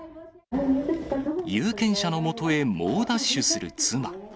有権者のもとへ猛ダッシュする妻。